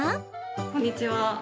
こんにちは。